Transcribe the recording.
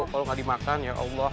kalau gak dimakan ya allah